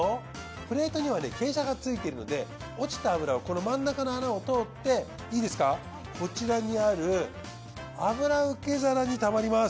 プレートにはね傾斜がついているので落ちた脂をこの真ん中の穴を通っていいですかこちらにある脂受け皿にたまります。